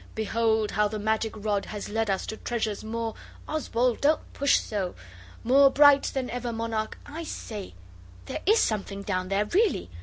Behold how the magic rod has led us to treasures more Oswald, don't push so! more bright than ever monarch I say, there is something down there, really.